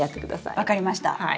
分かりました。